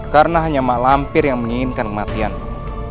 karena hanya mak lampir yang menginginkan kematianmu